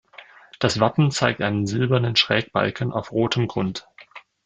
Das Wappen zeigt einen silbernen Schrägbalken auf rotem Grund.